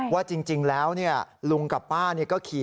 ว่าจริงแล้วลุงกับป้าก็ขี่